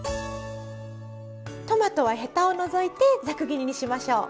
トマトはヘタを除いてざく切りにしましょう。